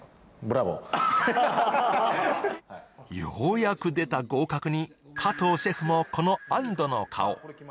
ようやく出た合格に加藤シェフも、この安どの顔。